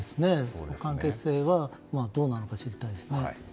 その関係性はどうなのか知りたいですよね。